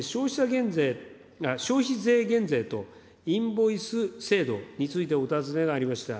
消費税減税とインボイス制度について、お尋ねがありました。